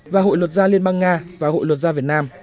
và hội luật gia liên bang nga và hội luật gia việt nam